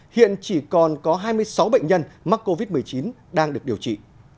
hiện chỉ còn có hai mươi sáu bệnh nhân mắc covid một mươi chín đang được điều trị